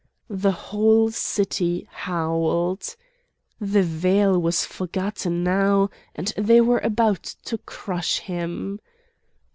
The whole city howled. The veil was forgotten now, and they were about to crush him.